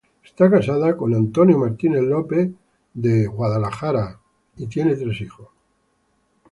Está casada con Richard T. Nowak, de South Burlington, Vermont y tienen tres hijos.